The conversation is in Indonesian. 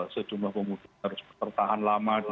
sejumlah pemutus harus bertahan lama di